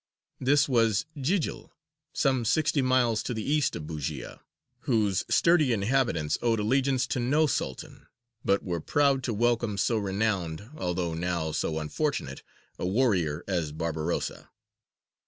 This was Jījil, some sixty miles to the east of Bujēya; whose sturdy inhabitants owed allegiance to no Sultan, but were proud to welcome so renowned, although now so unfortunate, a warrior as Barbarossa.